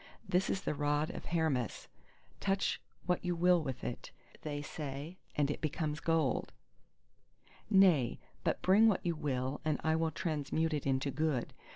This is the rod of Hermes; touch what you will with it, they say, and it becomes gold. Nay, but bring what you will and I will transmute it into Good.